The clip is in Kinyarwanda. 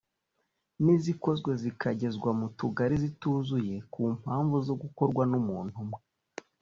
n’izikozwe zikagezwa mu tugari zituzuye ku mpamvu zo gukorwa n’umuntu umwe